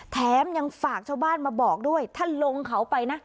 แถมยังฝากชาวบ้านมาบอกด้วยถ้าลงเขาไปนะ